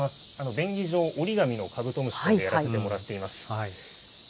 便宜上、折り紙のカブトムシでやらせてもらっています。